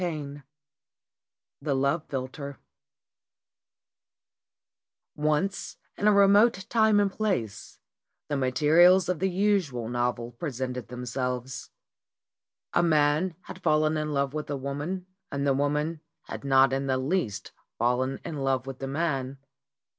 VI THE LOVE PHILTER *MP ONCE, in a remote time and place, the materials of the usual novel presented themselves. A man had fallen in love with a woman and the woman had not in the least fallen in love with the man.